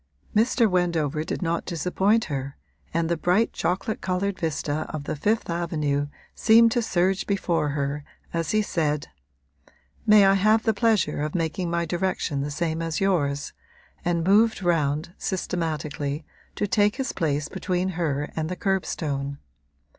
Mr. Wendover did not disappoint her, and the bright chocolate coloured vista of the Fifth Avenue seemed to surge before her as he said, 'May I have the pleasure of making my direction the same as yours?' and moved round, systematically, to take his place between her and the curbstone.